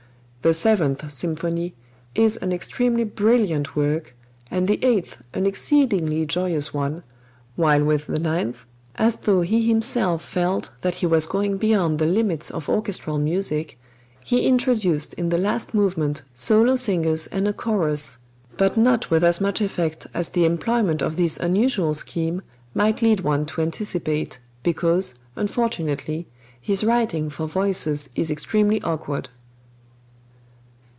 The Seventh Symphony is an extremely brilliant work and the Eighth an exceedingly joyous one, while with the Ninth, as though he himself felt that he was going beyond the limits of orchestral music, he introduced in the last movement solo singers and a chorus, but not with as much effect as the employment of this unusual scheme might lead one to anticipate, because, unfortunately, his writing for voices is extremely awkward.